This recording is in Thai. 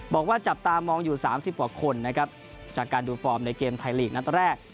บอกว่าจับตามองอยู่๓๐กว่าคนนะครับจากการดูฟอร์มในเกมไทยลีกนัดแรก